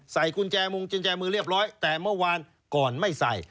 ใส่กุญแจมงกุญแจมือเรียบร้อยแต่เมื่อวานก่อนไม่ใส่